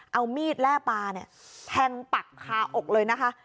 เอามีดแร่ปลาเนี่ยแทงปักคาอกเลยนะคะ